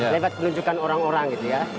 lewat penunjukan orang orang gitu ya